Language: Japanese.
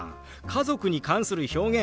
家族に関する表現